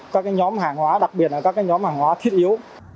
các nhóm hàng hóa đặc biệt là các nhóm hàng hóa thiết yếu